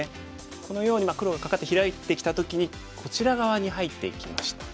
このように黒がカカってヒラいてきた時にこちら側に入っていきました。